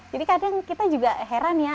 jadi kadang kita juga heran ya